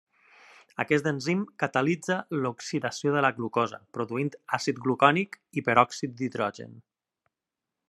Aquest enzim catalitza l'oxidació de la glucosa, produint àcid glucònic i peròxid d'hidrogen.